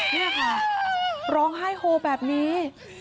นี่ค่ะร้องไห้โฮแบบนี้